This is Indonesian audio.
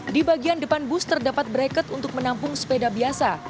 di bagian depan bus terdapat bracket untuk menampung sepeda biasa